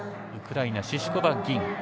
ウクライナ、シシュコバは銀。